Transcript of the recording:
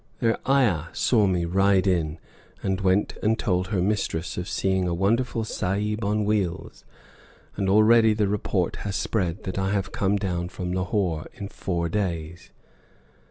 Their ayah saw me ride in, and went and told her mistress of seeing a "wonderful Sahib on wheels," and already the report has spread that I have come down from Lahore in four days!